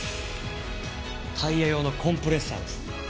タイヤ用のコンプレッサーです。